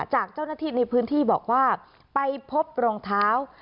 จากเจ้าหน้าที่ในพื้นที่บอกว่าไปพบรองเท้า